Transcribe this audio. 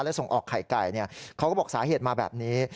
และส่งออกไข่ไก่เขาก็บอกสาเหตุมาแบบนี้